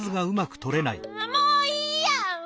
もういいや！